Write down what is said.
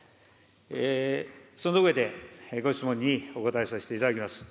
その上で、ご質問にお答えさせていただきます。